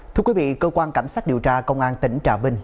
thưa quý vị cơ quan cảnh sát điều tra công an tỉnh trà vinh